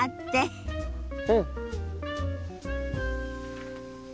うん！